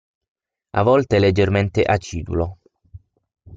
A volte leggermente acidulo.